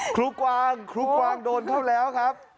กวางครูกวางโดนเข้าแล้วครับ